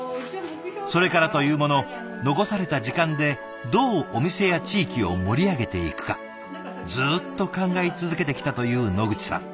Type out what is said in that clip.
それからというもの残された時間でどうお店や地域を盛り上げていくかずっと考え続けてきたという野口さん。